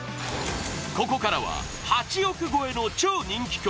ここからは８億超えの超人気曲